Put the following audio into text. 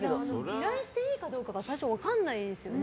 依頼していいかどうかが最初分からないですよね。